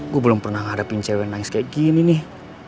gue belum pernah ngadapin cewek nangis kayak gini nih